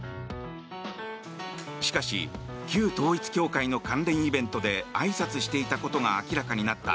しかし旧統一教会の関連イベントであいさつしていたことが明らかになった